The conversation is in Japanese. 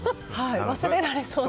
忘れられそう。